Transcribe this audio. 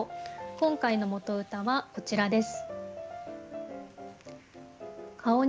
今回の元歌はこちらです。